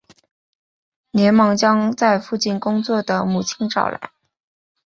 连忙将在附近工作的母亲找来